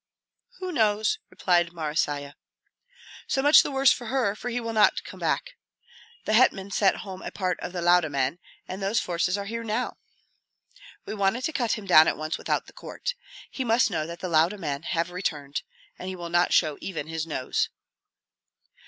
"Who knows?" replied Marysia. "So much the worse for her, for he will not come back. The hetman sent home a part of the Lauda men, and those forces are here now. We wanted to cut him down at once without the court. He must know that the Lauda men have returned, and he will not show even his nose."